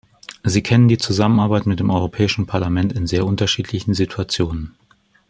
Sie kennen die Zusammenarbeit mit dem Europäischen Parlament in sehr unterschiedlichen Situationen.